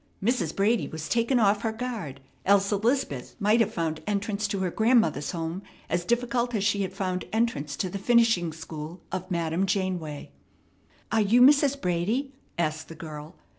Mrs. Brady was taken off her guard; else Elizabeth might have found entrance to her grandmother's home as difficult as she had found entrance to the finishing school of Madame Janeway. "Are you Mrs. Brady?" asked the girl.